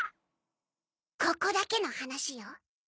ここだけの話よ。